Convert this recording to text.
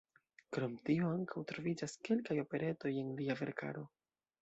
Krom tio ankaŭ troviĝas kelkaj operetoj en lia verkaro.